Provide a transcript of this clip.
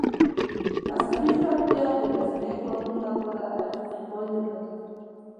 مصنوعي ځیرکتیا د ورځنیو کارونو لپاره دقیقې پایلې وړاندې کوي.